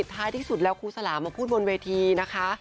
ท้ายที่สุดแล้วครูสลามาพูดบนเวทีนะคะ